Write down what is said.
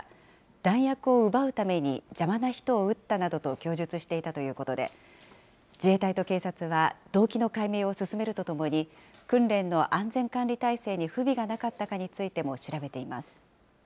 弾薬を奪うために邪魔な人を撃ったなどと供述していたということで、自衛隊と警察は、動機の解明を進めるとともに、訓練の安全管理態勢に不備がなかったかについても調べています。